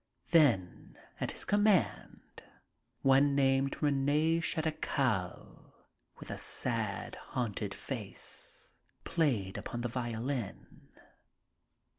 Then at his command one named Rene Chedecal, with a sad, haunted face, played upon the violin.